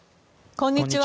こんにちは。